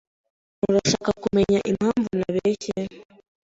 Urashaka kumenya impamvu nabeshye ?